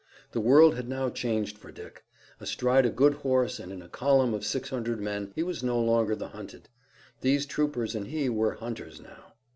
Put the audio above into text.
The world had now changed for Dick. Astride a good horse and in a column of six hundred men he was no longer the hunted. These troopers and he were hunters now.